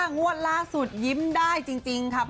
งวดล่าสุดยิ้มได้จริงค่ะ